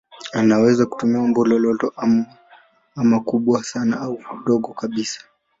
Anaweza kutumia umbo lolote ama kubwa sana au dogo kabisa.